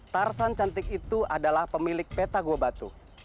tarsan cantik itu adalah pemilik peta gua batu